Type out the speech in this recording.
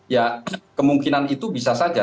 ya kemungkinan itu bisa saja